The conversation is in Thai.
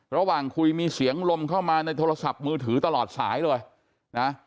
ระหว่างคุยมีเสียงลมเข้ามาในโทรศัพท์มือถือตลอดสายเลยนะ